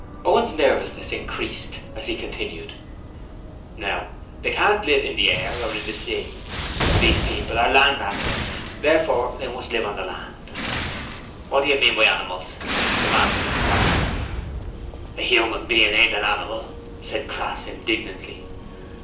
Owen's nervousness increased as he continued: 'Now, they can't live in the air or in the sea. These people are land animals, therefore they must live on the land.' 'Wot do yer mean by animals?' demanded Slyme. 'A human bean ain't a animal!' said Crass indignantly.